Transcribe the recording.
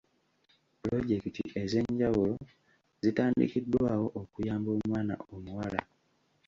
Pulojekiti ez'enjawulo zitandikiddwawo okuyamba omwana omuwala.